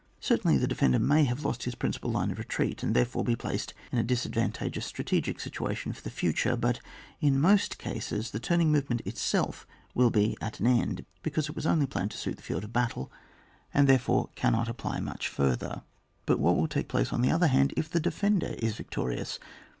Certainly the defender may have lost his principal line of retreat, and therefore be placed in a disadvantageous strategic situation for the future ; but in most cases the turning movement itself will be at an end, because it was only planned to suit the field of battle, and therefore cannot VOL. II. H apply much further. But what will take place, on the other hand, if the defender is victorious?